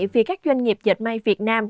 vì các doanh nghiệp dệt may việt nam